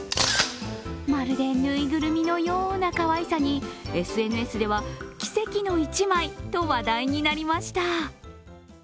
まるでぬいぐるみのようなかわいさにＳＮＳでは、奇跡の一枚と話題になりました。